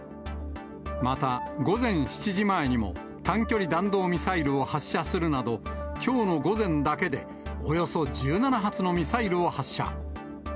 また午前７時前にも、短距離弾道ミサイルを発射するなど、きょうの午前だけで、およそ１７発のミサイルを発射。